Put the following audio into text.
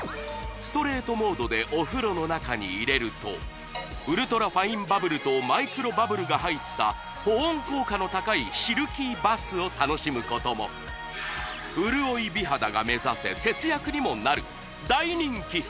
ストレートモードでお風呂の中に入れるとウルトラファインバブルとマイクロバブルが入った保温効果の高いシルキーバスを楽しむことも潤い美肌が目指せ節約にもなる大人気ＲｅＦａ